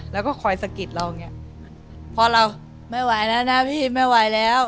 แล้วก็คอยสะกิดเราอย่างเงี้ยพอเราไม่ไหวแล้วนะพี่ไม่ไหวแล้ว